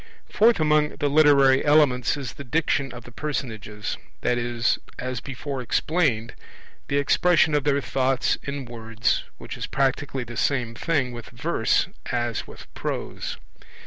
Fourth among the literary elements is the Diction of the personages, i.e. as before explained, the expression of their thoughts in words, which is practically the same thing with verse as with prose.